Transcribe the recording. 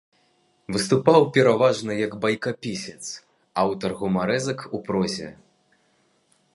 Выступаў пераважна як байкапісец, аўтар гумарэсак у прозе.